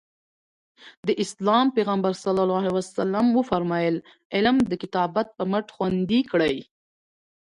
د اسلام پیغمبر ص وفرمایل علم د کتابت په مټ خوندي کړئ.